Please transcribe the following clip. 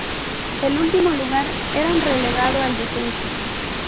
El último lugar eran relegado al descenso.